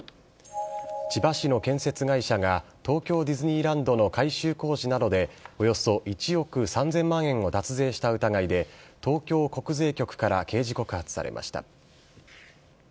千葉市の建設会社が、東京ディズニーランドの改修工事などで、およそ１億３０００万円を脱税した疑いで、東京国税局から刑事告発されました。